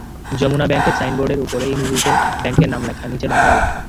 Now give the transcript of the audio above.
যমুনা ব্যাংকের সাইনবোর্ডের ওপরে ইংরেজিতে ব্যাংকের নাম লেখা, নিচে বাংলায় লেখা।